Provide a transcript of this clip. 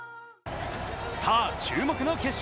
さぁ、注目の決勝。